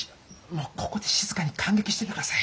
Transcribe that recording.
もうここで静かに観劇してて下さい。